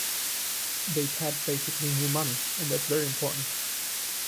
They tap basically new money, and that's very important.